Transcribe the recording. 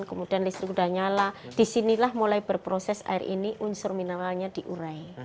kemudian listrik sudah nyala disinilah mulai berproses air ini unsur mineralnya diurai